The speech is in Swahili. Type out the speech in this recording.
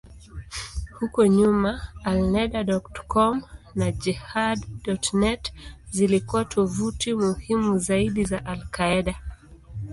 Huko nyuma, Alneda.com na Jehad.net zilikuwa tovuti muhimu zaidi za al-Qaeda.